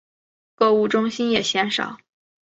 购物中心也鲜少。